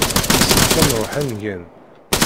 Yessefk ad nṛuḥ ad ngen.